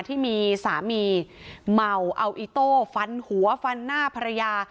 ที่มีสามีเมาเอาอิโต้ฟันหัวฟันหน้าภรรยา